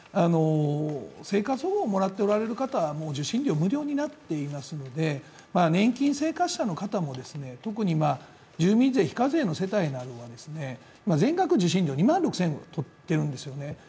生活保護をもらっておられる方はもう受信料無料になっていますので年金生活者の方も、特に住民税非課税の世帯などが全額だと受信料、２万６０００円とっているんですね。